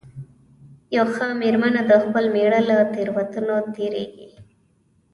یوه ښه مېرمنه د خپل مېړه له تېروتنو تېرېږي.